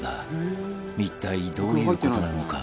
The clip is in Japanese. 一体どういう事なのか？